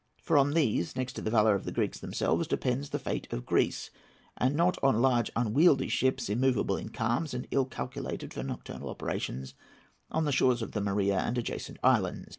For on these, next to the valour of the Greeks themselves, depends the fate of Greece, and not on large unwieldy ships, immovable in calms, and ill calculated for nocturnal operations on the shores of the Morea and adjacent islands.